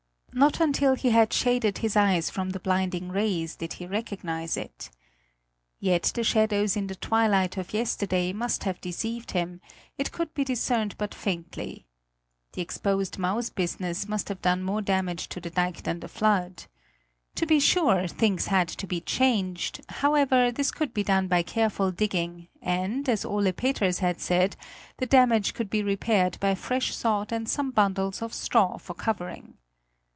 Not until he had shaded his eyes from the blinding rays, did he recognise it. Yet the shadows in the twilight of yesterday must have deceived him: it could be discerned but faintly. The exposed mouse business must have done more damage to the dike than the flood. To be sure, things had to be changed; however, this could be done by careful digging and, as Ole Peters had said, the damage could be repaired by fresh sod and some bundles of straw for covering.